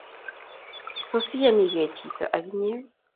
Tos iyanyekei chito ake inye?